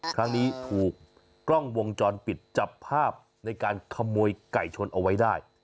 ครั้งนี้ถูกกล้องวงจรปิดจับภาพในการขโมยไก่ชนเอาไว้ได้